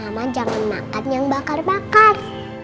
mama jangan makan yang bakar bakar